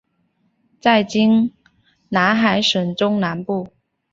在今海南省中南部。